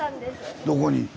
どこに？